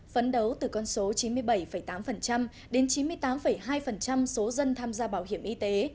phấn đấu từ con số chín mươi bảy tám đến chín mươi tám hai số dân tham gia bảo hiểm y tế